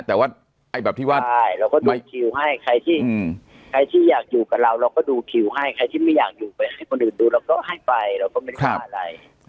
แต่ว่าไอ้แบบที่ว่าใช่เราก็ดูคิวให้ใครที่ใครที่อยากอยู่กับเราเราก็ดูคิวให้ใครที่ไม่อยากอยู่ไปให้คนอื่นดูเราก็ให้ไปเราก็ไม่ได้ว่าอะไร